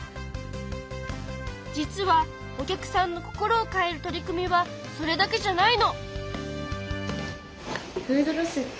実はお客さんの心を変える取り組みはそれだけじゃないの！